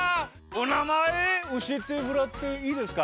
おなまえおしえてもらっていいですか？